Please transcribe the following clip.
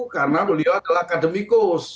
karena beliau adalah akademikus